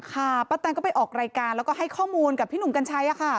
ป้าแตนก็ไปออกรายการแล้วก็ให้ข้อมูลกับพี่หนุ่มกัญชัย